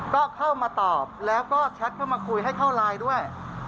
ก็เข้ามาตอบแล้วก็แชทเข้ามาคุยให้เข้าไลน์ด้วย